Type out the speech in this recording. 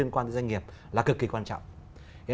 quan tới doanh nghiệp là cực kỳ quan trọng